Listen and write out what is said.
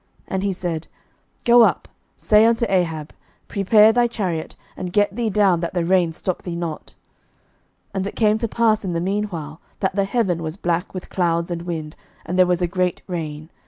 And he said, Go up, say unto Ahab, Prepare thy chariot, and get thee down that the rain stop thee not. 11:018:045 And it came to pass in the mean while, that the heaven was black with clouds and wind, and there was a great rain.